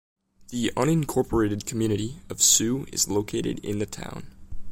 The unincorporated community of Sioux is located in the town.